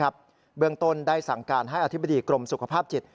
เบื้องต้นได้สั่งการให้อธิบดีกรมสุขภาพจิต